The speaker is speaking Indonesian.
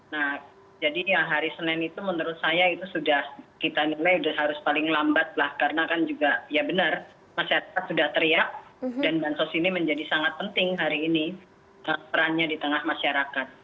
nah jadi hari senin itu menurut saya itu sudah kita nilai sudah harus paling lambat lah karena kan juga ya benar masyarakat sudah teriak dan bansos ini menjadi sangat penting hari ini perannya di tengah masyarakat